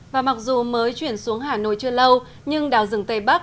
và mặc dù mới chuyển xuống hà nội chưa lâu nhưng đào rừng tây bắc